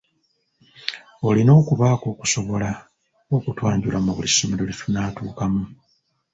Olina okubaako kusobola okutwanjula mu buli ssomero lye tunaatuukamu.